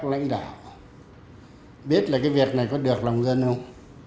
lãnh đạo biết là cái việc này có được lòng dân không